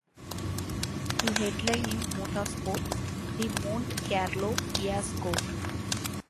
The headline in "Motor Sport": "The Monte Carlo Fiasco.